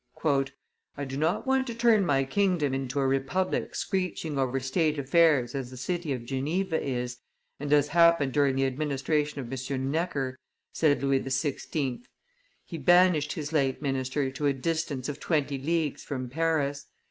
"I do not want to turn my kingdom into a republic screeching over state affairs as the city of Geneva is, and as happened during the administration of M. Necker," said Louis XVI. He, banished his late minister to a distance of twenty leagues from Paris.